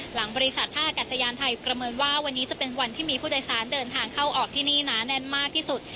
หลังบริษัทท่าอากาศยานไทยประเมินว่าวันนี้จะเป็นวันที่มีผู้โดยสารเดินทางเข้าออกที่นี่หนาแน่นมากที่สุด